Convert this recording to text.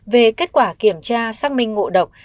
về kết quả kiểm tra xác minh ngộ độc